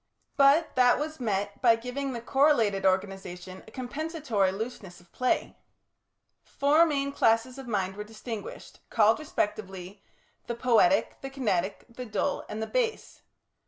But that was met by giving the correlated organisation a compensatory looseness of play. Four main classes of mind were distinguished, called, respectively, the Poietic, the Kinetic, the Dull, and the Base.